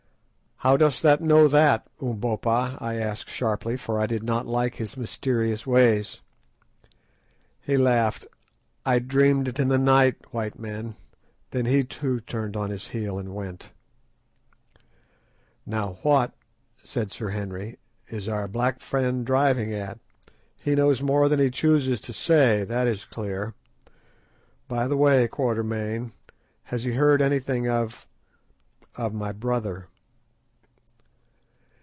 "How dost thou know that, Umbopa?" I asked sharply, for I did not like his mysterious ways. He laughed. "I dreamed it in the night, white men;" then he too turned on his heel and went. "Now what," said Sir Henry, "is our black friend driving at? He knows more than he chooses to say, that is clear. By the way, Quatermain, has he heard anything of—of my brother?"